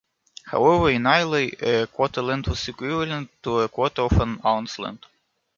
However, in Islay, a quarterland was equivalent to a quarter of an ounceland.